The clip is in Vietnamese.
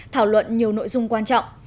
thảo luận nhiều nội dung quan trọng